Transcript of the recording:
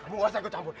kamu asal gue campur